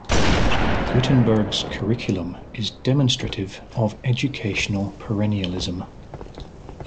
Gutenberg's curriculum is demonstrative of educational perennialism.